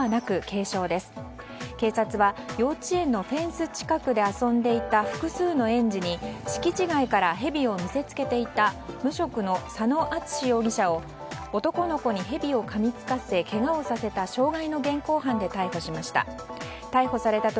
警察は幼稚園のフェンス近くで遊んでいた複数の園児に敷地外からヘビを見せつけていた無職の佐野淳容疑者を男の子にヘビをかみつかせけがをさせた傷害の現行犯で逮捕しました。